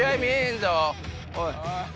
おい！